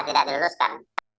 ya tidak diluluskan